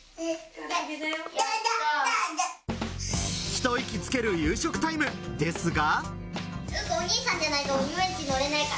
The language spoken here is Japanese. ひと息つける夕食タイムですが。